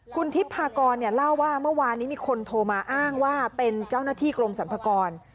คุณทิพพากรเล่าว่าเมื่อวานนี้มีคนโทรมาอ้างว่าเป็นเจ้าหน้าที่กรมสรรพากร